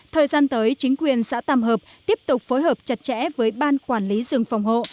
thời gian tới chính quyền xã tàm hợp tiếp tục phối hợp chặt chẽ với ban quản lý rừng phòng hộ